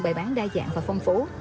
bày bán đa dạng và phong phú